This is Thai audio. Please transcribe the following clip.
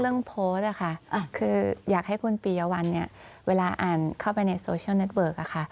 เรื่องโพสต์ค่ะอยากให้คุณปียะวันนี้เวลาอ่านข้อไปในโซเชียลเน็ตเวิร์ก